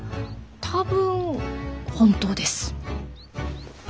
多分本当です。